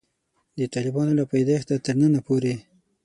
د طالبانو له پیدایښته تر ننه پورې.